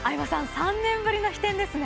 ３年ぶりの飛天ですね。